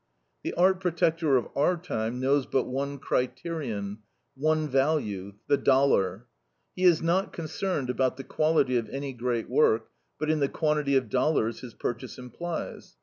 The art protector of our time knows but one criterion, one value, the dollar. He is not concerned about the quality of any great work, but in the quantity of dollars his purchase implies.